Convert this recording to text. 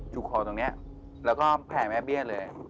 คอตรงนี้แล้วก็แผลแม่เบี้ยเลย